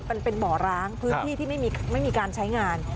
มันเป็นบ่อร้างพื้นที่ที่ไม่มีการใช้งาน